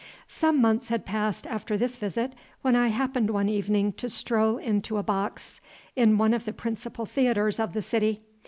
Some months had passed, after this visit, when I happened one evening to stroll into a box in one of the principal theatres of the city.